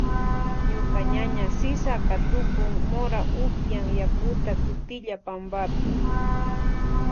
Ñuka ñaña Sisa katukun mora upyan yakuta kitulli pampapi.